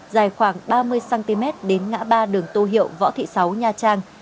dài khoảng ba mươi cm đến ngã ba đường tô hiệu võ thị sáu nha trang